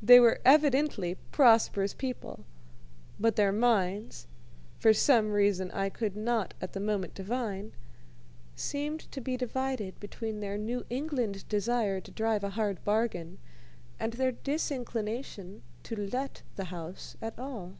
They were evidently prosperous people, but their minds for some reason I could not at the moment divine seemed to be divided between their New England desire to drive a hard bargain and their disinclination to let the house at all.